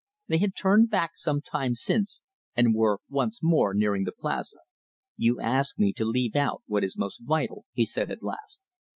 They had turned back some time since, and were once more nearing the Plaza. "You ask me to leave out what is most vital," he said at last.